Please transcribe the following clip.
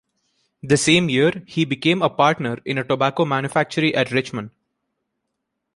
The same year, he became a partner in a tobacco manufactory at Richmond.